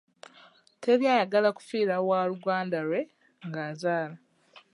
Teri ayagala kufiirwa waaluganda lwe ng'azaala.